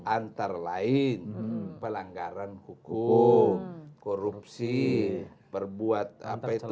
antara lain pelanggaran hukum korupsi berbuat apa itu